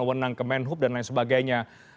menang ke menhub dan lain sebagainya